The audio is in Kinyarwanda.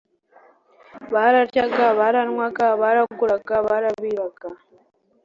bararyaga, baranywaga, baraguraga, barabibaga,